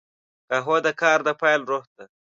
قهوه د کار د پیل روح ده